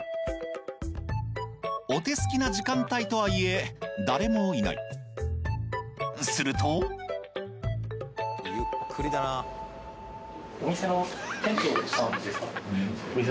お手隙な時間帯とはいえ誰もいないするとお店の。